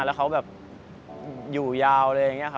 แล้วเขาอยู่ยาวเลย